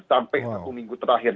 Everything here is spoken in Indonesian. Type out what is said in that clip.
sampai satu minggu terakhir